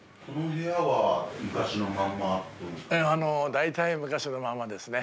大体昔のままですね。